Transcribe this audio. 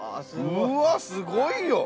うわすごいよ。